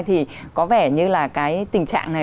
thì có vẻ như là cái tình trạng này